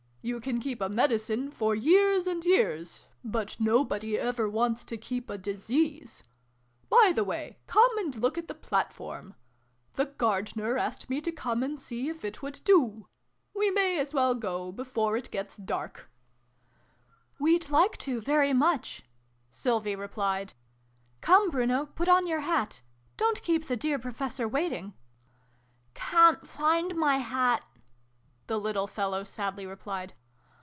You can keep a Medicine, for years and years : but nobody ever wants to keep a Disease ! By the way, come and look at the platform. The Gardener asked me to come and see if it would do. We may as well go before it gets dark." 316 SYLVIE AND BRUNO CONCLUDED. " We'd like to, very much !" Sylvie replied. " Come, Bruno, put on your hat. Don't keep the dear Professor waiting!" "Can't find my hat!" the little fellow sadly replied.